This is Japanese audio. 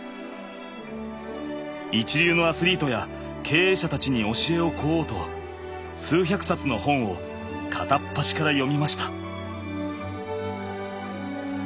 一流のアスリートや経営者たちに教えを請おうと数百冊の本を片っ端から読みました。